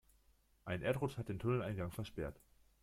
Ein Erdrutsch hat den Tunneleingang versperrt.